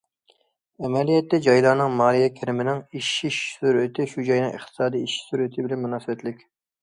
ئەمەلىيەتتە، جايلارنىڭ مالىيە كىرىمىنىڭ ئېشىش سۈرئىتى شۇ جاينىڭ ئىقتىسادىي ئېشىش سۈرئىتى بىلەن مۇناسىۋەتلىك.